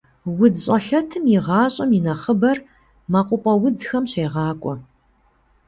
УдзщӀэлъэтым и гъащӀэм и нэхъыбэр мэкъупӀэ удзхэм щегъакӀуэ.